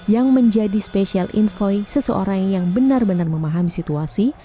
yang menjadi special envoy seseorang yang benar benar memahami situasi